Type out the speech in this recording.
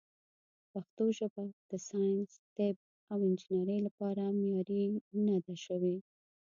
پښتو ژبه د ساینس، طب، او انجنیرۍ لپاره معیاري نه ده شوې.